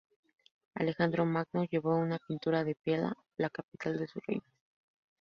Alejandro Magno llevó esta pintura a Pella, la capital de su reino.